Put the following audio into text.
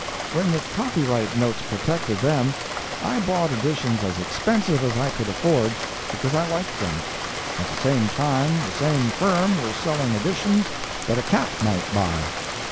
"When the copyright notes protected them, I bought editions as expensive as I could afford, because I liked them. At the same time the same firm were selling editions that a cat might buy.